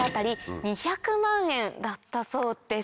だったそうです。